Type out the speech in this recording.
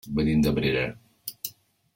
Venim d'Abrera.